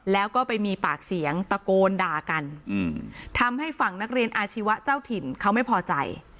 แล้วก็ไปมีปากเสียงตะโกนด่ากันทำให้ฝั่งนักเรียนอาชีวะเจ้าถิ่นเขาไม่พอใจ